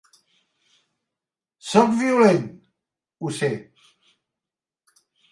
Sóc violent, ho sé.